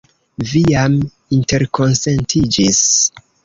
Vi jam interkonsentiĝis?